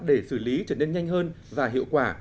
để xử lý trở nên nhanh hơn và hiệu quả